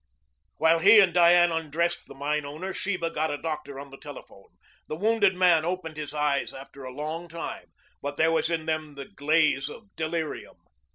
While he and Diane undressed the mine owner Sheba got a doctor on the telephone. The wounded man opened his eyes after a long time, but there was in them the glaze of delirium.